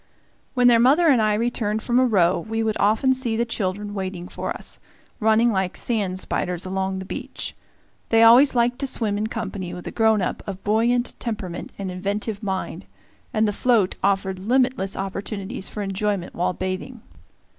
When their mother and I returned from a row, we would often see the children waiting for us, running like sand spiders along the beach. They always liked to swim in company with a grown up of buoyant temperament and inventive mind, and the float offered limitless opportunities for enjoyment while bathing.